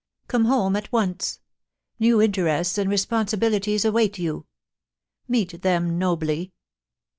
Come home at once. New interests and responsibilities await you. Meet them nobly.